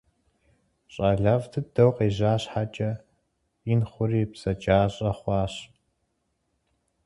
Щӏалэфӏ дыдэу къежьа щхьэкӏэ, ин хъури бзаджащӏэ хъуащ.